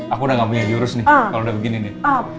aku udah gak punya jurus nih kalau udah begini nih